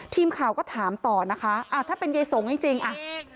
ทีมข่าวก็ถามต่อนะคะอ่าถ้าเป็นเย้สงจริงอะ